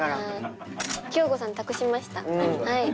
京子さんに託しました。